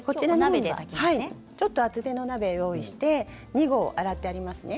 厚手の鍋を用意して２合洗ってありますね。